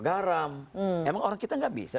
garam emang orang kita nggak bisa